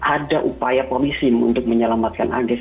ada upaya polisi untuk menyelamatkan anis